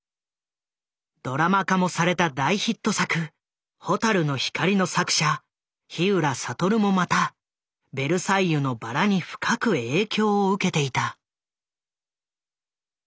ドラマ化もされた大ヒット作「ホタルノヒカリ」の作者ひうらさとるもまた「ベルサイユのばら」に深く影響を受けていた。